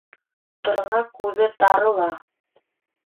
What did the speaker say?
Торна күҙе тарыла.